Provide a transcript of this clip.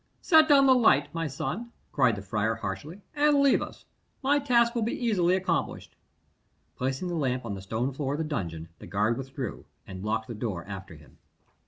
"Set down the light, my son," cried the friar harshly, "and leave us; my task will be easily accomplished." Placing the lamp on the stone floor of the dungeon, the guard withdrew, and locked the door after him.